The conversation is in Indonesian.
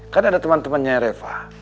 kan ada teman temannya reva